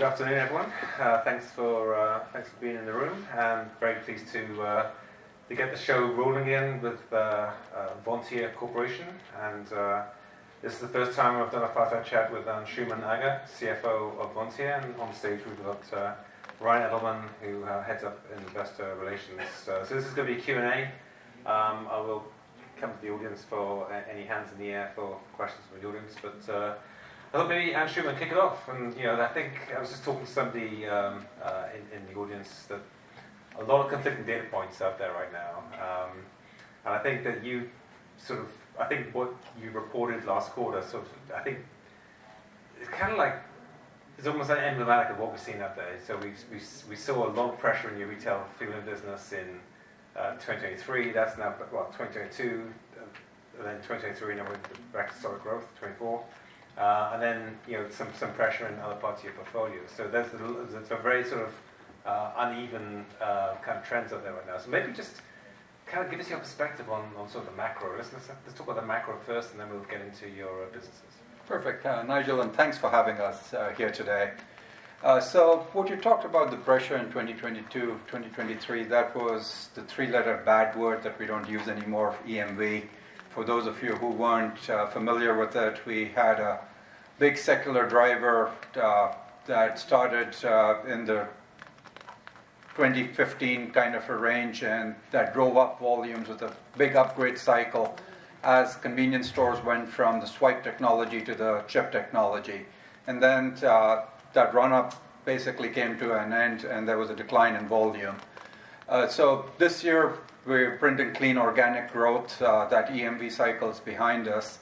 Well, good afternoon, everyone. Thanks for being in the room. I'm very pleased to get the show rolling in with Vontier Corporation. And this is the first time I've done a fireside chat with Anshooman Aga, CFO of Vontier. And on stage, we've got Ryan Edelman, who heads up investor relations. So this is gonna be a Q&A. I will come to the audience for any hands in the air for questions from the audience. But I'll let maybe Anshooman kick it off. And you know, I think I was just talking to somebody in the audience, that a lot of conflicting data points out there right now. And I think that you sort of I think what you reported last quarter, so I think it's kinda like, it's almost an emblematic of what we're seeing out there. So we saw a lot of pressure in your retail fueling business in 2023. That's now, what? 2022, and then 2023, now we're back to solid growth, 2024. And then, you know, some pressure in other parts of your portfolio. So there's a l there's a very sort of, uneven, kind of trends out there right now. So maybe just kind of give us your perspective on sort of the macro. Let's just talk about the macro first, and then we'll get into your businesses. Perfect, Nigel, and thanks for having us here today. So what you talked about the pressure in 2022, 2023, that was the three-letter bad word that we don't use anymore, EMV. For those of you who weren't familiar with it, we had a big secular driver that started in the 2015 kind of a range, and that drove up volumes with a big upgrade cycle as convenience stores went from the swipe technology to the chip technology. And then, that run-up basically came to an end, and there was a decline in volume. So this year, we're printing clean organic growth. That EMV cycle is behind us.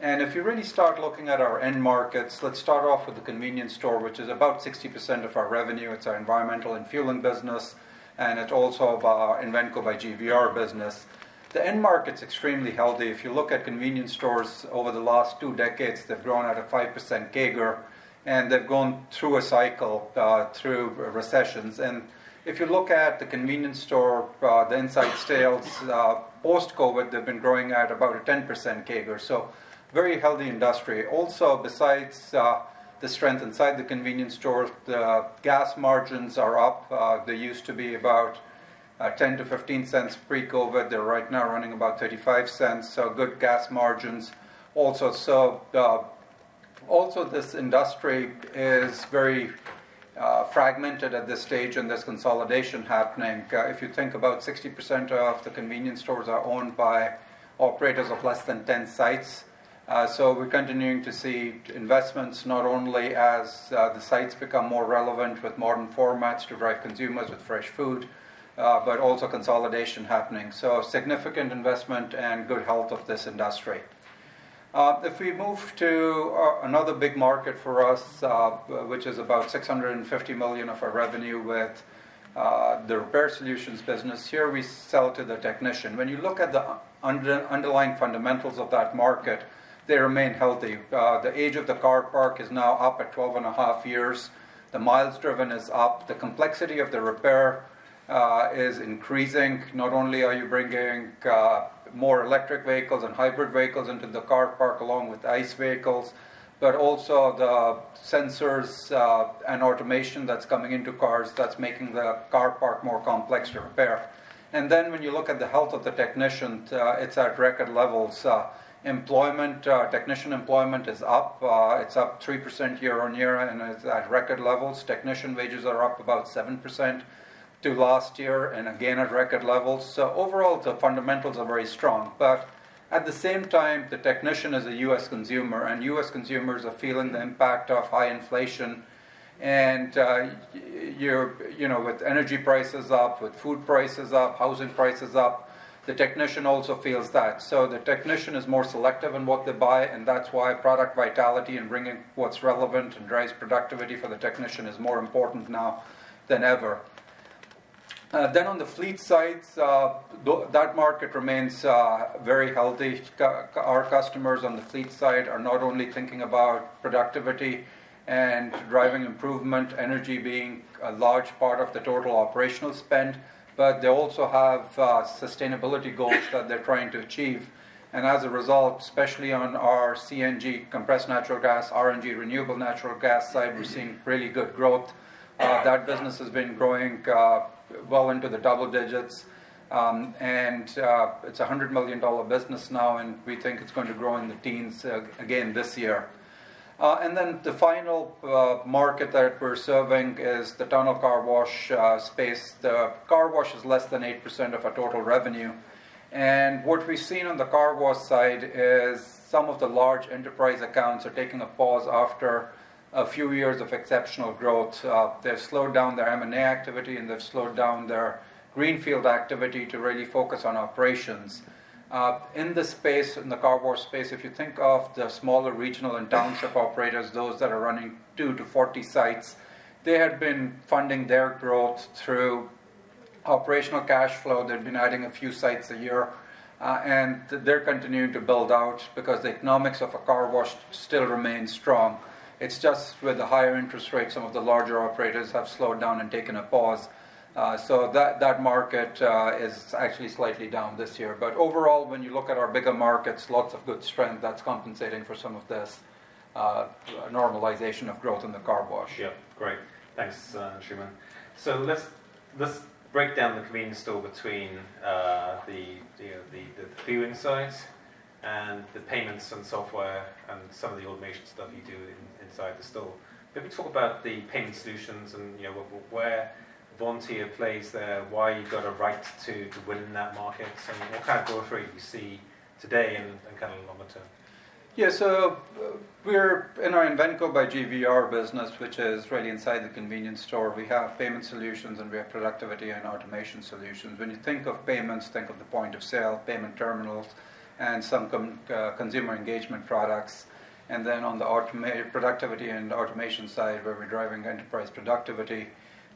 And if you really start looking at our end markets, let's start off with the convenience store, which is about 60% of our revenue. It's our environmental and fueling business, and it's also of our Invenco by GVR business. The end market's extremely healthy. If you look at convenience stores over the last two decades, they've grown at a 5% CAGR, and they've gone through a cycle through recessions. And if you look at the convenience store, the inside sales, post-COVID, they've been growing at about a 10% CAGR, so very healthy industry. Also, besides the strength inside the convenience stores, the gas margins are up. They used to be about $0.10-$0.15 pre-COVID. They're right now running about $0.35, so good gas margins also. So, also, this industry is very fragmented at this stage, and there's consolidation happening. If you think about 60% of the convenience stores are owned by operators of less than ten sites. So we're continuing to see investments not only as the sites become more relevant with modern formats to drive consumers with fresh food, but also consolidation happening. So significant investment and good health of this industry. If we move to another big market for us, which is about $650 million of our revenue with the repair solutions business. Here, we sell to the technician. When you look at the underlying fundamentals of that market, they remain healthy. The age of the car park is now up at 12.5 years. The miles driven is up. The complexity of the repair is increasing. Not only are you bringing more electric vehicles and hybrid vehicles into the car park, along with ICE vehicles, but also the sensors and automation that's coming into cars, that's making the car park more complex to repair. And then when you look at the health of the technicians, it's at record levels. Employment, technician employment is up. It's up 3% year-on-year, and it's at record levels. Technician wages are up about 7% to last year and again at record levels. So overall, the fundamentals are very strong. But at the same time, the technician is a U.S. consumer, and U.S. consumers are feeling the impact of high inflation. And, you're, you know, with energy prices up, with food prices up, housing prices up, the technician also feels that. So the technician is more selective in what they buy, and that's why product vitality and bringing what's relevant and drives productivity for the technician is more important now than ever. Then on the fleet side, that market remains very healthy. Our customers on the fleet side are not only thinking about productivity and driving improvement, energy being a large part of the total operational spend, but they also have sustainability goals that they're trying to achieve. And as a result, especially on our CNG, compressed natural gas, RNG, renewable natural gas side, we're seeing really good growth. That business has been growing well into the double digits, and it's a $100 million business now, and we think it's going to grow in the teens again this year. And then the final market that we're serving is the tunnel car wash space. The car wash is less than 8% of our total revenue, and what we've seen on the car wash side is some of the large enterprise accounts are taking a pause after a few years of exceptional growth. They've slowed down their M&A activity, and they've slowed down their greenfield activity to really focus on operations. In this space, in the car wash space, if you think of the smaller regional and township operators, those that are running 2-40 sites, they had been funding their growth through operational cash flow. They've been adding a few sites a year, and they're continuing to build out because the economics of a car wash still remains strong. It's just with the higher interest rates, some of the larger operators have slowed down and taken a pause. So that, that market, is actually slightly down this year. But overall, when you look at our bigger markets, lots of good strength that's compensating for some of this.... normalization of growth in the car wash. Yeah, great. Thanks, Anshooman. So let's break down the convenience store between the fueling sites and the payments and software and some of the automation stuff you do inside the store. Maybe talk about the payment solutions and, you know, where Vontier plays there, why you've got a right to win in that market, and what kind of growth rate you see today and kind of longer term. Yeah, so, we're in our Invenco by GVR business, which is really inside the convenience store. We have payment solutions, and we have productivity and automation solutions. When you think of payments, think of the point of sale, payment terminals, and some consumer engagement products. And then on the automated productivity and automation side, where we're driving enterprise productivity,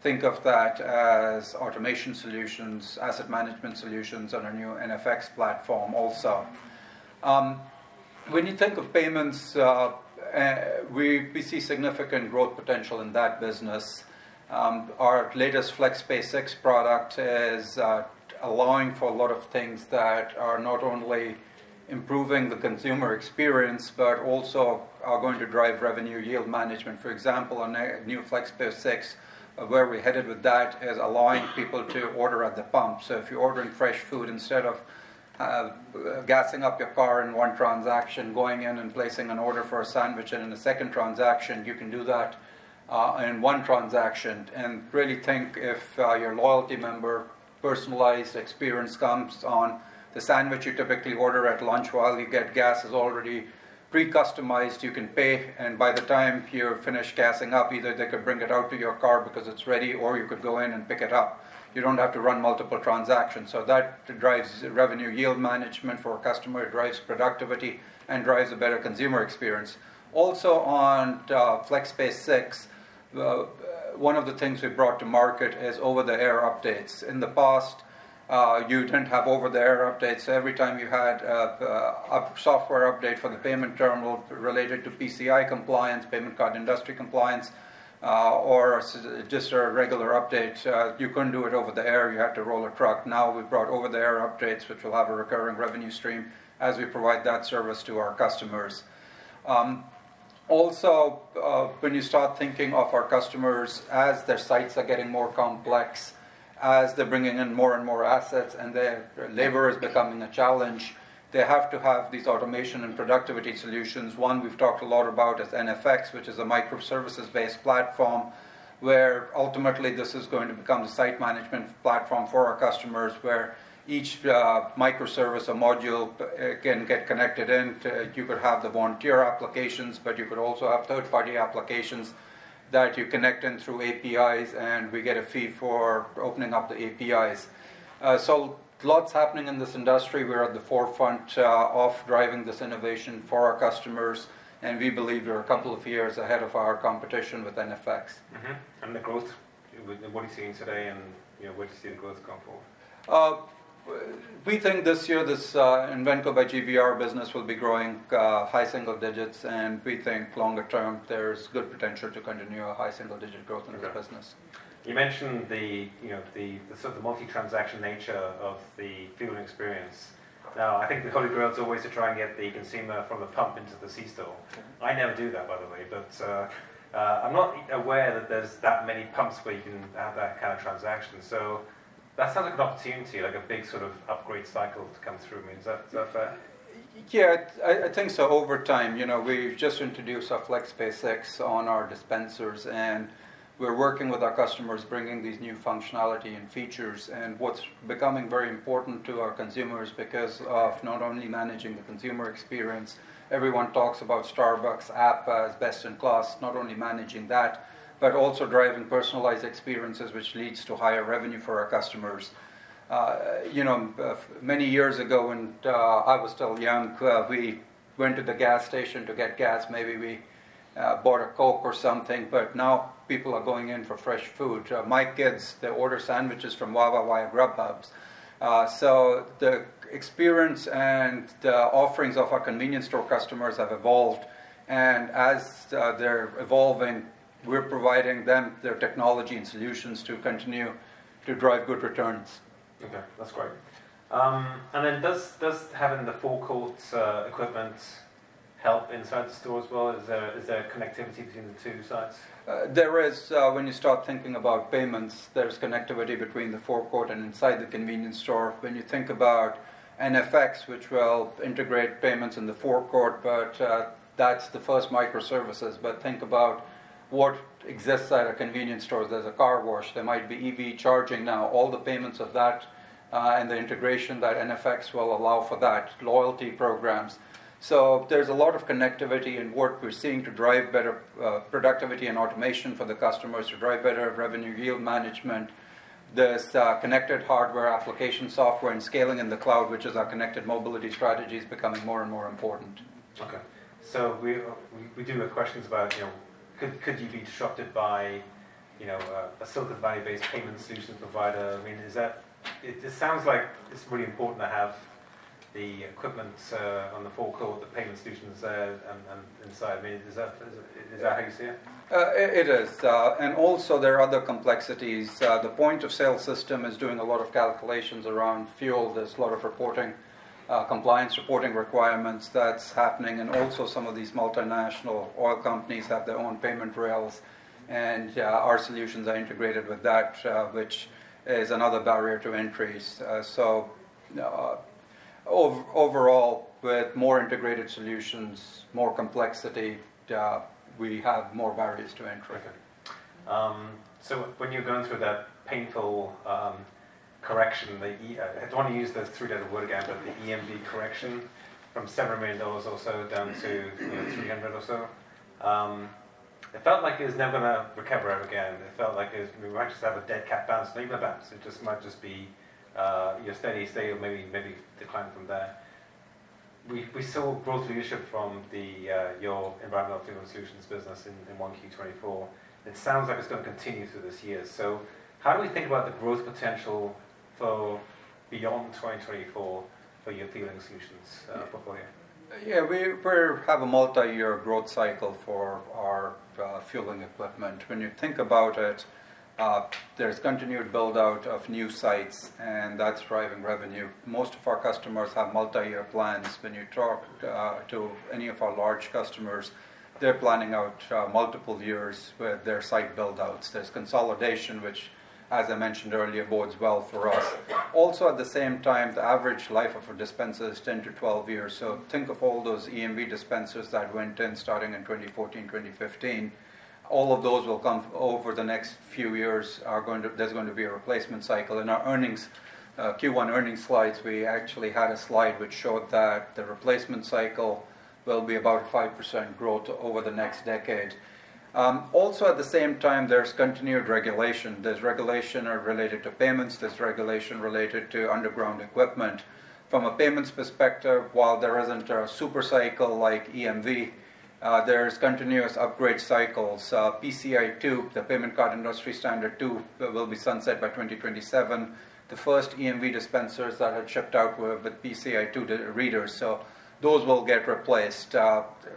think of that as automation solutions, asset management solutions on our new NFX platform also. When you think of payments, we see significant growth potential in that business. Our latest FlexPay 6 product is allowing for a lot of things that are not only improving the consumer experience, but also are going to drive revenue yield management. For example, on a new FlexPay 6, where we're headed with that is allowing people to order at the pump. So if you're ordering fresh food, instead of, gassing up your car in one transaction, going in and placing an order for a sandwich, and in a second transaction, you can do that, in one transaction. And really think if, your loyalty member, personalized experience comes on. The sandwich you typically order at lunch while you get gas is already pre-customized. You can pay, and by the time you're finished gassing up, either they could bring it out to your car because it's ready, or you could go in and pick it up. You don't have to run multiple transactions, so that drives revenue yield management for a customer, it drives productivity, and drives a better consumer experience. Also, on, FlexPay 6, one of the things we brought to market is over-the-air updates. In the past, you didn't have over-the-air updates, so every time you had a software update for the payment terminal related to PCI compliance, Payment Card Industry compliance, or just a regular update, you couldn't do it over the air, you had to roll a truck. Now, we've brought over-the-air updates, which will have a recurring revenue stream as we provide that service to our customers. Also, when you start thinking of our customers, as their sites are getting more complex, as they're bringing in more and more assets, and their labor is becoming a challenge, they have to have these automation and productivity solutions. One we've talked a lot about is NFX, which is a microservices-based platform, where ultimately this is going to become the site management platform for our customers, where each microservice or module can get connected in. You could have the Vontier applications, but you could also have third-party applications that you connect in through APIs, and we get a fee for opening up the APIs. So lots happening in this industry. We're at the forefront of driving this innovation for our customers, and we believe we're a couple of years ahead of our competition with NFX. Mm-hmm. And the growth, with what are you seeing today, and, you know, where do you see the growth going forward? We think this year, this, Invenco by GVR business will be growing, high single digits, and we think longer term, there's good potential to continue a high single-digit growth in the business. You mentioned, you know, the sort of multi-transaction nature of the fueling experience. Now, I think the holy grail is always to try and get the consumer from the pump into the C store. Mm-hmm. I never do that, by the way, but, I'm not aware that there's that many pumps where you can have that kind of transaction, so that sounds like an opportunity, like a big sort of upgrade cycle to come through. I mean, is that, is that fair? Yeah, I think so. Over time, you know, we've just introduced our FlexPay 6 on our dispensers, and we're working with our customers, bringing these new functionality and features. And what's becoming very important to our consumers because of not only managing the consumer experience, everyone talks about Starbucks app as best in class, not only managing that, but also driving personalized experiences, which leads to higher revenue for our customers. You know, many years ago, when I was still young, we went to the gas station to get gas, maybe we bought a Coke or something, but now people are going in for fresh food. My kids, they order sandwiches from Wawa and Grubhub. The experience and the offerings of our convenience store customers have evolved, and as they're evolving, we're providing them their technology and solutions to continue to drive good returns. Okay, that's great. And then does having the forecourt equipment help inside the store as well? Is there connectivity between the two sites? There is. When you start thinking about payments, there's connectivity between the forecourt and inside the convenience store. When you think about NFX, which will integrate payments in the forecourt, but that's the first microservices. But think about what exists at a convenience store. There's a car wash, there might be EV charging now. All the payments of that, and the integration, that NFX will allow for that, loyalty programs. So there's a lot of connectivity and work we're seeing to drive better productivity and automation for the customers, to drive better revenue yield management. There's connected hardware, application software, and scaling in the cloud, which is our connected mobility strategy, is becoming more and more important. Okay. So we do have questions about, you know, could you be disrupted by, you know, a Silicon Valley-based payment solution provider? I mean, is that... It sounds like it's really important to have the equipment on the forecourt, the payment solutions, and inside. I mean, is that how you see it? It is. And also there are other complexities. The point of sale system is doing a lot of calculations around fuel. There's a lot of reporting, compliance reporting requirements that's happening, and also some of these multinational oil companies have their own payment rails, and our solutions are integrated with that, which is another barrier to entries. Overall, with more integrated solutions, more complexity, we have more barriers to entry. Okay. So when you're going through that painful correction, I don't want to use those three-letter word again, but the EMV correction from $several million or so down to, you know, 300 or so. It felt like it was never gonna recover ever again. It felt like it was we might just have a dead cat bounce, neither bounce. It just might just be, you know, steady state or maybe, maybe decline from there. We saw growth leadership from the your environmental fueling solutions business in 1Q 2024. It sounds like it's gonna continue through this year. So how do we think about the growth potential for beyond 2024 for your fueling solutions portfolio? Yeah, we, we have a multi-year growth cycle for our fueling equipment. When you think about it, there's continued build-out of new sites, and that's driving revenue. Most of our customers have multi-year plans. When you talk to any of our large customers, they're planning out multiple years with their site build-outs. There's consolidation, which, as I mentioned earlier, bodes well for us. Also, at the same time, the average life of a dispenser is 10-12 years. So think of all those EMV dispensers that went in starting in 2014, 2015. All of those will come over the next few years, are going to—there's going to be a replacement cycle. In our Q1 earnings slides, we actually had a slide which showed that the replacement cycle will be about 5% growth over the next decade. </transcript Also, at the same time, there's continued regulation. There's regulation related to payments, there's regulation related to underground equipment. From a payments perspective, while there isn't a super cycle like EMV, there's continuous upgrade cycles. PCI 2, the Payment Card Industry standard two, will be sunset by 2027. The first EMV dispensers that had shipped out with the PCI 2 readers, so those will get replaced.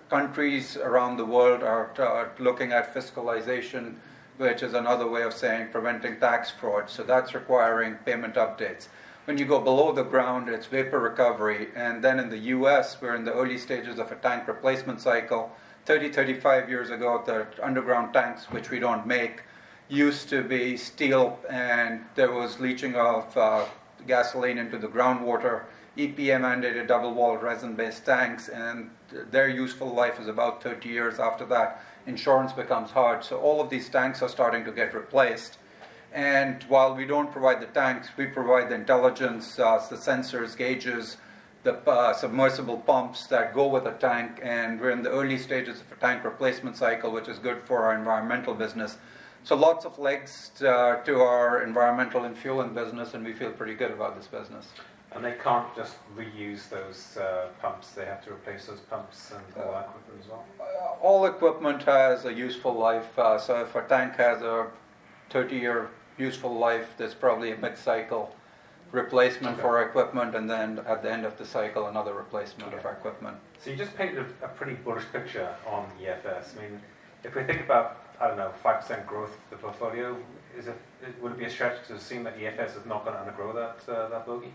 Countries around the world are looking at fiscalization, which is another way of saying preventing tax fraud, so that's requiring payment updates. When you go below the ground, it's vapor recovery, and then in the U.S., we're in the early stages of a tank replacement cycle. 30-35 years ago, the underground tanks, which we don't make, used to be steel, and there was leaching of gasoline into the groundwater. EPA mandated double-walled, resin-based tanks, and their useful life is about 30 years. After that, insurance becomes hard. So all of these tanks are starting to get replaced, and while we don't provide the tanks, we provide the intelligence, the sensors, gauges, the submersible pumps that go with a tank, and we're in the early stages of a tank replacement cycle, which is good for our environmental business. So lots of legs to our environmental and fueling business, and we feel pretty good about this business. They can't just reuse those pumps. They have to replace those pumps and all equipment as well? All equipment has a useful life. So if a tank has a 30-year useful life, there's probably a mid-cycle replacement- Okay... for equipment, and then at the end of the cycle, another replacement of our equipment. So you just painted a, a pretty bullish picture on EFS. I mean, if we think about, I don't know, 5% growth, the portfolio, is it- would it be a stretch to assume that EFS is not gonna undergrow that, that bogey?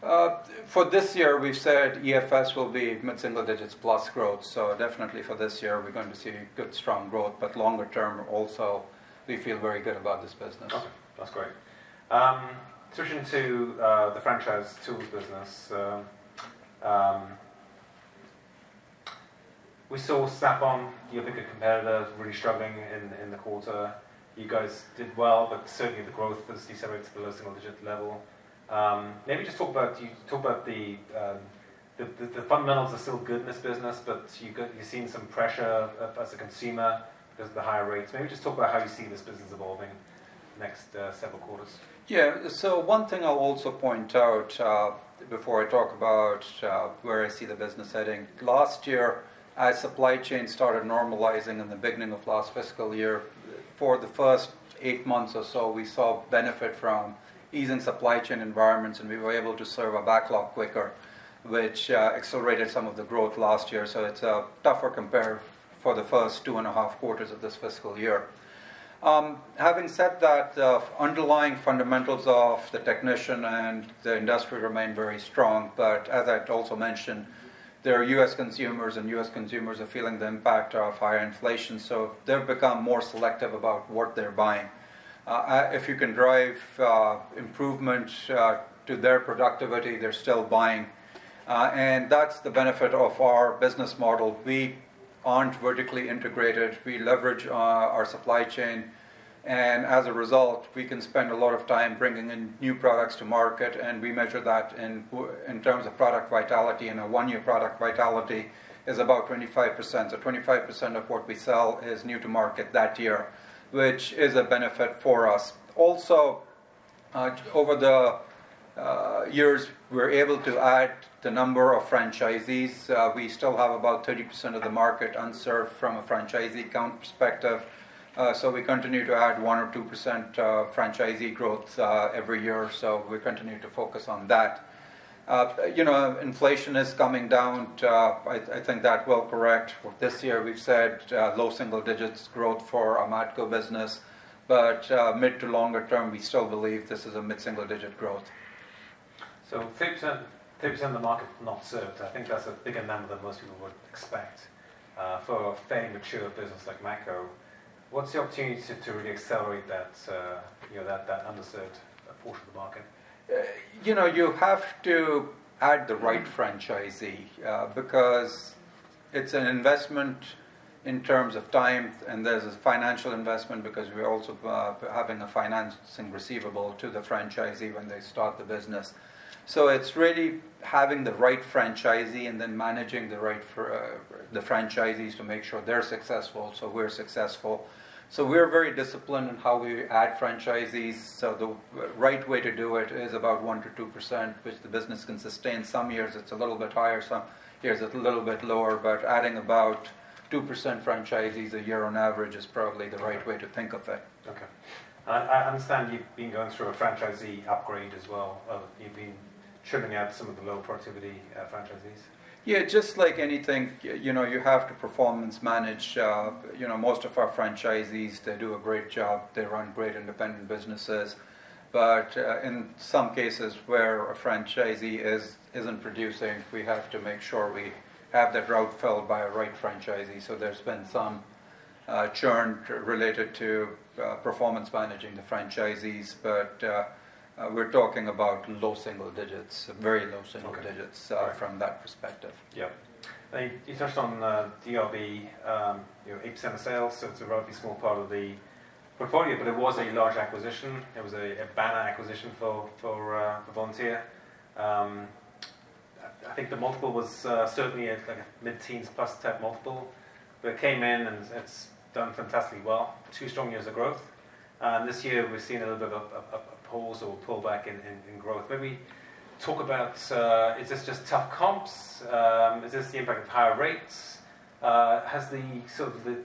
For this year, we've said EFS will be mid-single digits + growth. So definitely for this year, we're going to see good, strong growth, but longer term also, we feel very good about this business. Okay, that's great. Switching to the franchise tools business, we saw Snap-on, the other good competitor, really struggling in the quarter. You guys did well, but certainly the growth was decelerated to the low single-digit level. Maybe just talk about... You talk about the fundamentals are still good in this business, but you're seeing some pressure as a consumer because of the higher rates. Maybe just talk about how you see this business evolving the next several quarters. Yeah. So one thing I'll also point out, before I talk about, where I see the business heading. Last year, as supply chain started normalizing in the beginning of last fiscal year, for the first eight months or so, we saw benefit from ease in supply chain environments, and we were able to serve our backlog quicker, which, accelerated some of the growth last year. So it's a tougher compare for the first 2.5 quarters of this fiscal year. Having said that, the underlying fundamentals of the technician and the industry remain very strong. But as I also mentioned, there are U.S. consumers, and U.S. consumers are feeling the impact of higher inflation, so they've become more selective about what they're buying. If you can drive, improvement, to their productivity, they're still buying. And that's the benefit of our business model. We aren't vertically integrated. We leverage our supply chain, and as a result, we can spend a lot of time bringing in new products to market, and we measure that in terms of product vitality. And a one-year product vitality is about 25%. So 25% of what we sell is new to market that year, which is a benefit for us. Also, over the years, we're able to add the number of franchisees. We still have about 30% of the market unserved from a franchisee count perspective. So we continue to add 1% or 2% franchisee growth every year or so. We continue to focus on that. You know, inflation is coming down to. I think that will correct. For this year, we've said, low single digits growth for our macro business, but, mid to longer term, we still believe this is a mid-single-digit growth. 30% of the market not served, I think that's a bigger number than most people would expect, for a fairly mature business like macro. What's the opportunity to really accelerate that, you know, that underserved portion of the market? You know, you have to add the right franchisee because it's an investment in terms of time, and there's a financial investment because we're also having a financing receivable to the franchisee when they start the business. So it's really having the right franchisee and then managing the right franchisees to make sure they're successful, so we're successful. So we're very disciplined in how we add franchisees. So the right way to do it is about 1%-2%, which the business can sustain. Some years, it's a little bit higher, some years it's a little bit lower, but adding about 2% franchisees a year on average is probably the right way to think of it. Okay. I understand you've been going through a franchisee upgrade as well. You've been churning out some of the low productivity franchisees? Yeah, just like anything, you know, you have to performance manage. You know, most of our franchisees, they do a great job. They run great independent businesses. But in some cases where a franchisee isn't producing, we have to make sure we have that route filled by a right franchisee. So there's been some churn related to performance managing the franchisees, but we're talking about low single digits, very low single digits- Okay. - from that perspective. Yeah. You touched on DRB, you know, 8% of sales, so it's a relatively small part of the portfolio, but it was a large acquisition. It was a banner acquisition for the Vontier. I think the multiple was certainly at, like, a mid-teens plus type multiple. But it came in, and it's done fantastically well. Two strong years of growth. And this year, we've seen a little bit of a pause or pull back in growth. Maybe talk about, is this just tough comps? Is this the impact of higher rates? Has the sort of the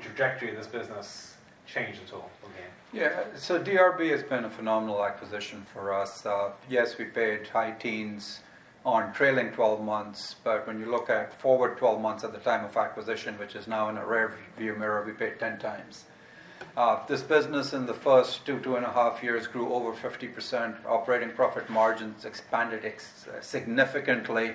trajectory of this business changed at all again? Yeah. So DRB has been a phenomenal acquisition for us. Yes, we paid high teens on trailing twelve months, but when you look at forward twelve months at the time of acquisition, which is now in a rear view mirror, we paid 10x. This business in the first 2, 2.5 years, grew over 50%. Operating profit margins expanded significantly.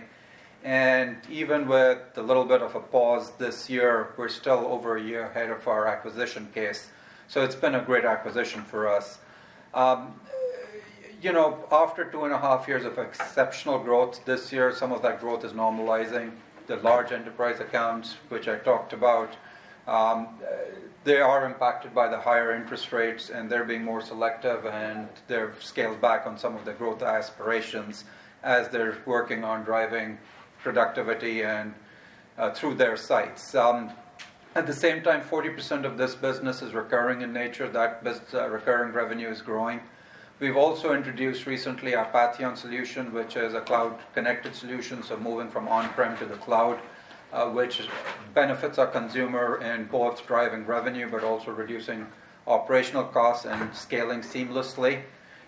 And even with the little bit of a pause this year, we're still over one year ahead of our acquisition case. So it's been a great acquisition for us. You know, after 2.5 years of exceptional growth, this year, some of that growth is normalizing. The large enterprise accounts, which I talked about, they are impacted by the higher interest rates, and they're being more selective, and they've scaled back on some of the growth aspirations as they're working on driving productivity and through their sites. At the same time, 40% of this business is recurring in nature. That recurring revenue is growing. We've also introduced recently our Patheon solution, which is a cloud-connected solution, so moving from on-prem to the cloud, which benefits our consumer in both driving revenue, but also reducing operational costs and scaling seamlessly.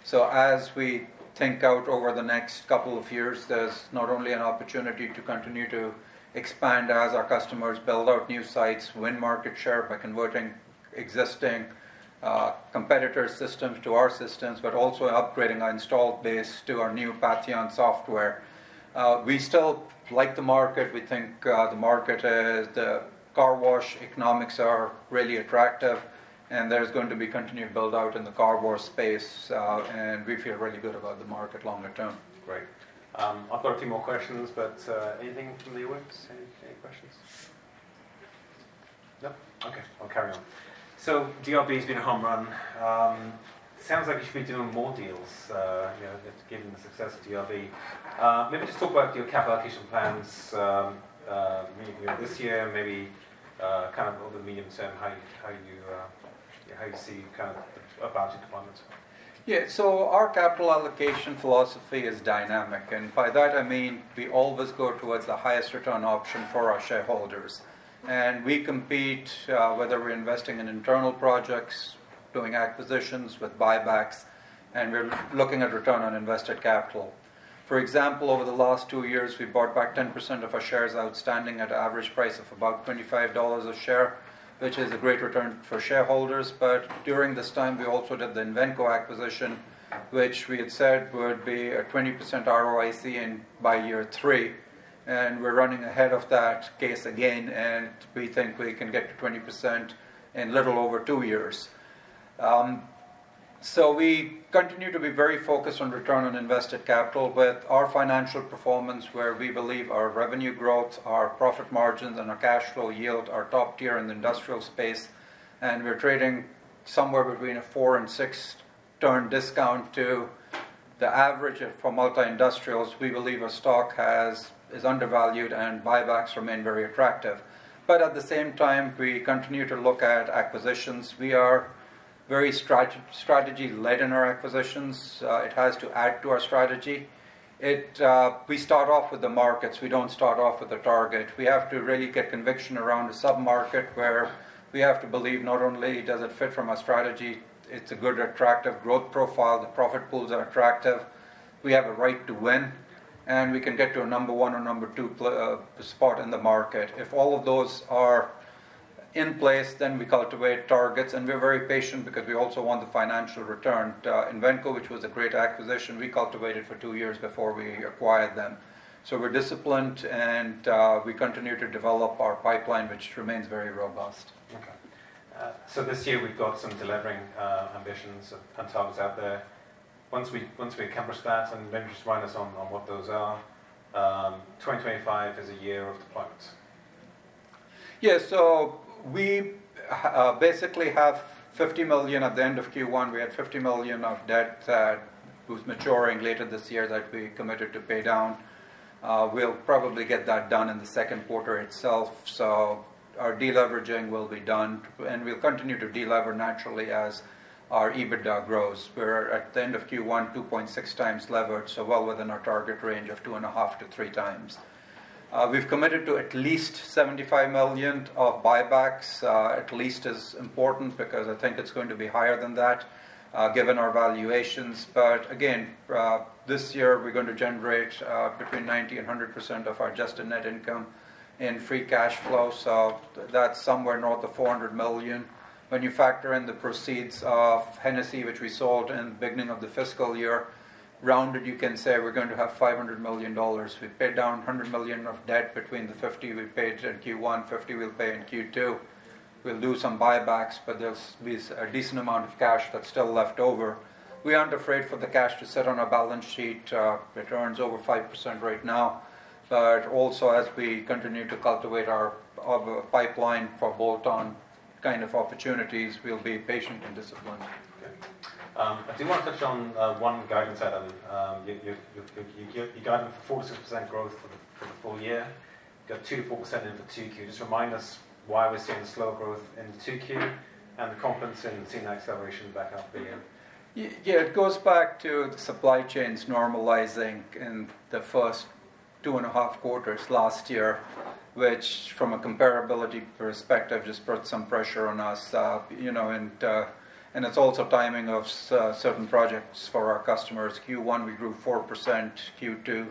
So as we think out over the next couple of years, there's not only an opportunity to continue to expand as our customers build out new sites, win market share by converting existing competitor systems to our systems, but also upgrading our installed base to our new Patheon software. We still like the market. We think, the market, the car wash economics are really attractive, and there's going to be continued build-out in the car wash space, and we feel really good about the market longer term. Great. I've got a few more questions, but anything from the audience? Any questions? No. Okay, I'll carry on. So DRB has been a home run. Sounds like you should be doing more deals, you know, given the success of DRB. Maybe just talk about your capital allocation plans, maybe this year, maybe kind of over the medium term, how you see kind of about your plans? Yeah. So our capital allocation philosophy is dynamic, and by that I mean, we always go towards the highest return option for our shareholders. We compete, whether we're investing in internal projects, doing acquisitions with buybacks, and we're looking at return on invested capital. For example, over the last two years, we bought back 10% of our shares outstanding at an average price of about $25 a share, which is a great return for shareholders. But during this time, we also did the Invenco acquisition, which we had said would be a 20% ROIC in by year three, and we're running ahead of that case again, and we think we can get to 20% in little over two years. So we continue to be very focused on return on invested capital, with our financial performance, where we believe our revenue growth, our profit margins, and our cash flow yield are top tier in the industrial space, and we're trading somewhere between a four and six turn discount to the average for multi-industrials. We believe our stock has, is undervalued and buybacks remain very attractive. But at the same time, we continue to look at acquisitions. We are very strategy-led in our acquisitions. It has to add to our strategy. It, we start off with the markets, we don't start off with a target. We have to really get conviction around a submarket where we have to believe not only does it fit from our strategy, it's a good attractive growth profile, the profit pools are attractive, we have a right to win, and we can get to a number one or number two spot in the market. If all of those are in place, then we cultivate targets, and we're very patient because we also want the financial return. Invenco, which was a great acquisition, we cultivated for two years before we acquired them. So we're disciplined, and we continue to develop our pipeline, which remains very robust. Okay. So this year we've got some deleveraging ambitions and targets out there. Once we, once we accomplish that, and maybe just remind us on, on what those are, 2025 is a year of deployment. Yeah. So we basically have $50 million at the end of Q1. We had $50 million of debt which is maturing later this year that we committed to pay down. We'll probably get that done in the second quarter itself. So our deleveraging will be done, and we'll continue to delever naturally as our EBITDA grows. We're at the end of Q1, 2.6x levered, so well within our target range of 2.5x-3x. We've committed to at least $75 million of buybacks. At least is important because I think it's going to be higher than that given our valuations. But again, this year, we're going to generate between 90%-100% of our adjusted net income in free cash flow, so that's somewhere north of $400 million. When you factor in the proceeds of Hennessy, which we sold in the beginning of the fiscal year, rounded, you can say we're going to have $500 million. We paid down $100 million of debt between the $50 we paid in Q1, $50 we'll pay in Q2. We'll do some buybacks, but there's a decent amount of cash that's still left over. We aren't afraid for the cash to sit on our balance sheet. It earns over 5% right now. But also, as we continue to cultivate our pipeline for bolt-on kind of opportunities, we'll be patient and disciplined. Okay. I do want to touch on one guidance item. You're guiding for 4%-6% growth for the full year. You got 2%-4% in for Q2. Just remind us why we're seeing slow growth in Q2, and the confidence in seeing that acceleration back half of the year? Yeah, it goes back to the supply chains normalizing in the first two and a half quarters last year, which, from a comparability perspective, just put some pressure on us. You know, and, and it's also timing of certain projects for our customers. Q1, we grew 4%; Q2,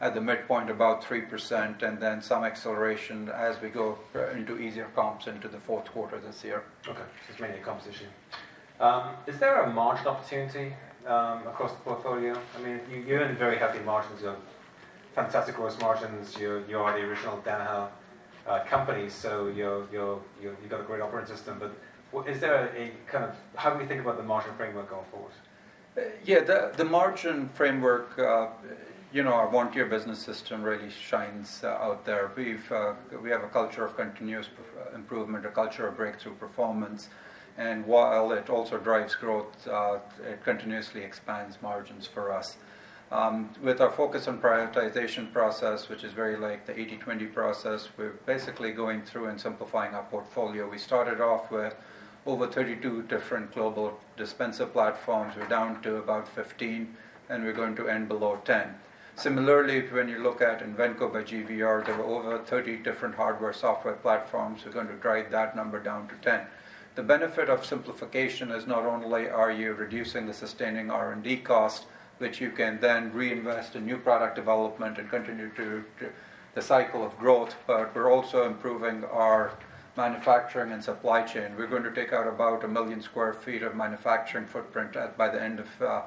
at the midpoint, about 3%, and then some acceleration as we go into easier comps into the fourth quarter this year. Okay, so it's mainly a comp issue. Is there a margin opportunity across the portfolio? I mean, you, you're in very healthy margins, you have fantastic growth margins. You're, you are the original Danaher company, so you're, you're, you've got a great operating system. But is there a kind of... How do we think about the margin framework going forward? Yeah, the margin framework, you know, our VBS business system really shines out there. We have a culture of continuous improvement, a culture of breakthrough performance, and while it also drives growth, it continuously expands margins for us. With our focus on prioritization process, which is very like the 80/20 process, we're basically going through and simplifying our portfolio. We started off with over 32 different global dispenser platforms. We're down to about 15, and we're going to end below 10. Similarly, when you look at Invenco by GVR, there were over 30 different hardware, software platforms. We're going to drive that number down to 10. The benefit of simplification is not only are you reducing the sustaining R&D cost, which you can then reinvest in new product development and continue to the cycle of growth, but we're also improving our manufacturing and supply chain. We're going to take out about 1 million sq ft of manufacturing footprint by the end of the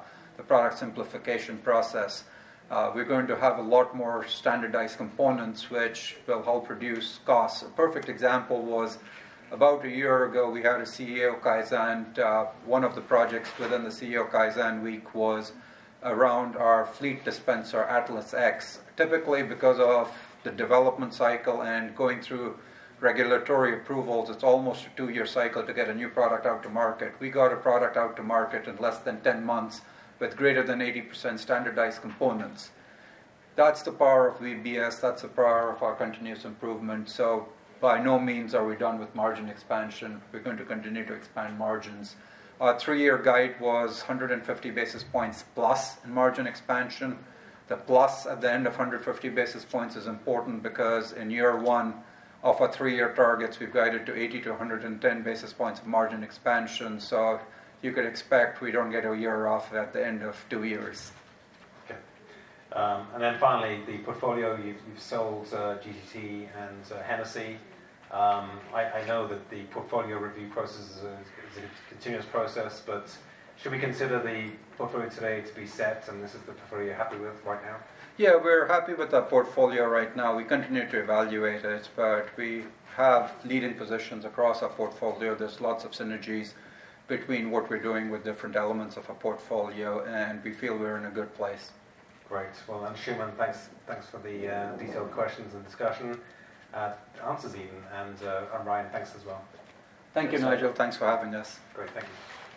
product simplification process. We're going to have a lot more standardized components, which will help reduce costs. A perfect example was, about a year ago, we had a CEO Kaizen, and one of the projects within the CEO Kaizen week was around our fleet dispenser, AtlasX. Typically, because of the development cycle and going through regulatory approvals, it's almost a two-year cycle to get a new product out to market. We got a product out to market in less than 10 months, with greater than 80% standardized components. That's the power of VBS, that's the power of our continuous improvement. So by no means are we done with margin expansion. We're going to continue to expand margins. Our three-year guide was 150 basis points plus in margin expansion. The plus at the end of 150 basis points is important because in year one of our three-year targets, we've guided to 80-110 basis points of margin expansion. So you could expect we don't get a year off at the end of two years. Okay. And then finally, the portfolio, you've sold GGT and Hennessy. I know that the portfolio review process is a continuous process, but should we consider the portfolio today to be set, and this is the portfolio you're happy with right now? Yeah, we're happy with the portfolio right now. We continue to evaluate it, but we have leading positions across our portfolio. There's lots of synergies between what we're doing with different elements of our portfolio, and we feel we're in a good place. Great. Well, then, Anshooman, thanks, thanks for the detailed questions and discussion, answers even. And, Ryan, thanks as well. Thank you, Nigel. Thanks for having us. Great. Thank you.